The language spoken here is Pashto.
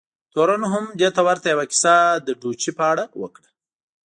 تورن هم دې ته ورته یوه کیسه د ډوچي په اړه وکړه.